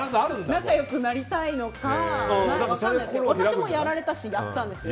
仲良くなりたいのか分からないですけど私もやられたし、やったんです。